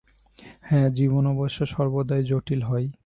হ্যাঁ, জীবন অবশ্য সর্বদাই জটিল হয়।